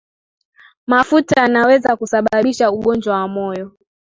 mafuta yanaweza kusababisha ugonjwa wa moyo